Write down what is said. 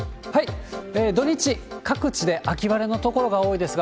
土日、各地で秋晴れの所が多いですが、